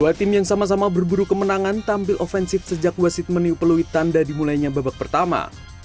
dua tim yang sama sama berburu kemenangan tampil ofensif sejak wasit meniupelui tanda dimulainya babak pertama